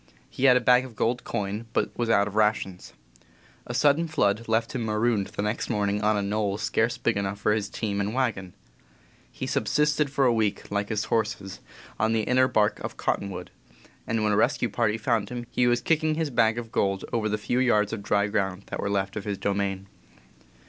He had a bag of gold coin, but was out of rations. A sudden flood left him marooned the next morning on a knoll scarce big enough for his team and wagon. He sub sisted for a week, like his horses, on the inner bark of Cottonwood, and when a rescue party found him he was kicking his bag of gold over the few yards of dry ground that were left of his domain.